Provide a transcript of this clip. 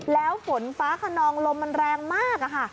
แล้วฝนฟ้าขนองลมมันแรงมากค่ะ